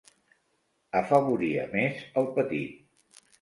Afavoria més el petit.